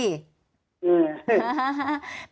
อืม